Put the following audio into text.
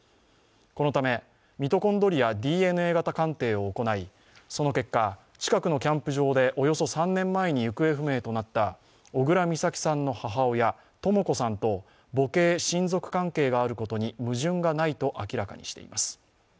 このためミトコンドリアＤＮＡ型鑑定を行い、その結果、近くのキャンプ場でおよそ３年前に行方不明となった小倉美咲さんの母親、とも子さんと母系親族関係があることに矛盾がないとしています。